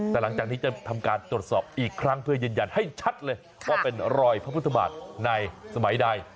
แต่หลังจากนี้จะทำการตรวจสอบอีกครั้งเพื่อยืนยันให้ชัดเลยว่าเป็นรอยพระพุทธบาทในสมัยใด